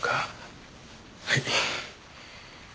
はい。